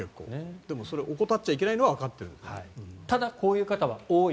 でも、それを怠っちゃいけないのはただ、こういう方は多い。